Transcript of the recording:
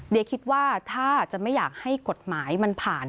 เดี๋ยวคิดว่าถ้าจะไม่อยากให้กฎหมายมันผ่าน